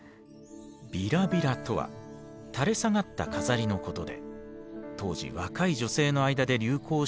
びらびらとは垂れ下がった飾りのことで当時若い女性の間で流行した形だそう。